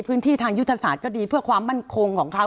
พื้นที่ทางยุทธศาสตร์ก็ดีเพื่อความมั่นคงของเขา